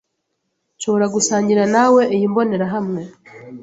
Nshobora gusangira nawe iyi mbonerahamwe?